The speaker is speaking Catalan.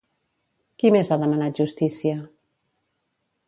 Qui més ha demanat justícia?